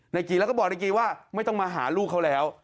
จีแล้วก็บอกในกีว่าไม่ต้องมาหาลูกเขาแล้ว